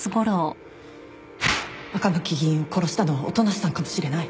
赤巻議員を殺したのは音無さんかもしれない